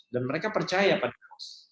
dan mereka percaya pada pos